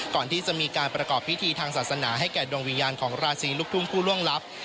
ก่อนที่จะมีการประกอบพิธีทางศาสนาให้แก่ดวงวิญญาณของราศีลูกทุ่งผู้ล่วงลับ